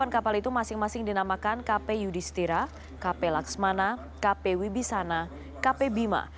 delapan kapal itu masing masing dinamakan kp yudhistira kp laksmana kp wibisana kp bima